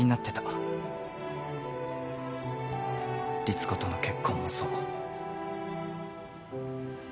リツコとの結婚もそう。